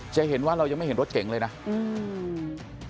จะเห็นว่าเรายังไม่เห็นรถเก่งเลยนะอืม